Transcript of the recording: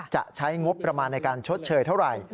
จะใช้งบประมาณในการชดเชยเท่าไหร่